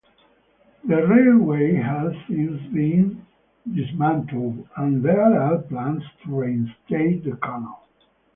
The railway has since been dismantled and there are plans to reinstate the canal.